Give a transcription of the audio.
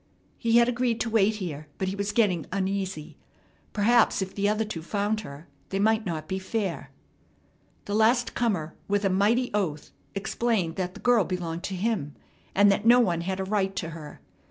He had agreed to wait here, but he was getting uneasy. Perhaps, if the other two found her, they might not be fair. The last comer with a mighty oath explained that the girl belonged to him, and that no one had a right to her.